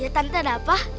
iya tante ada apa